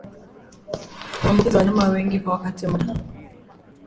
huambukiza wanyama wengi kwa wakati mmoja